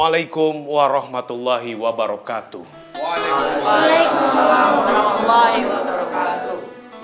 waalaikumsalam warahmatullahi wabarakatuh